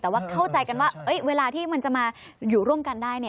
แต่ว่าเข้าใจกันว่าเวลาที่มันจะมาอยู่ร่วมกันได้